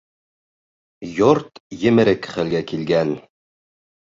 Йорт емерек хәлгә килгән